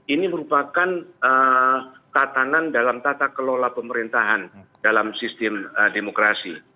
ini merupakan tatanan dalam tata kelola pemerintahan dalam sistem demokrasi